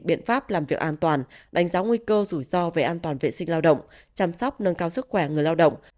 biện pháp làm việc an toàn đánh giá nguy cơ rủi ro về an toàn vệ sinh lao động chăm sóc nâng cao sức khỏe người lao động